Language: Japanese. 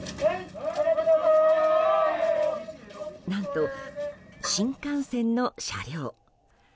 何と、新幹線の車両。